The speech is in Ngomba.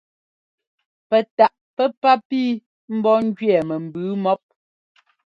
Pɛ taʼ pɛ́pá pii mbɔ́ ɛ́njʉɛ mɛ mbʉʉ mɔ́p.